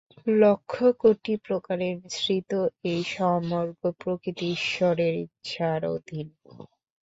লক্ষ কোটি প্রকারে মিশ্রিত এই সমগ্র প্রকৃতি ঈশ্বরের ইচ্ছার অধীন।